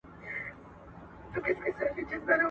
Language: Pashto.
سپکاوی تر اندازې تېر سو د مړو